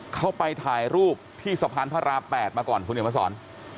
เขาไปถ่ายรูปที่สะพานพระราม๘มาก่อนคุณเห็นมาสอน